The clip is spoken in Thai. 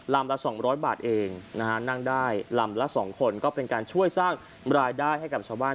ละ๒๐๐บาทเองนะฮะนั่งได้ลำละ๒คนก็เป็นการช่วยสร้างรายได้ให้กับชาวบ้าน